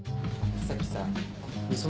さっきさみ